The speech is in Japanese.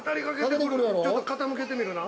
◆ちょっと傾けてみるな。